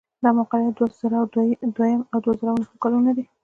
دغه مقالې د دوه زره دویم او دوه زره نهم کلونو دي.